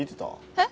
えっ？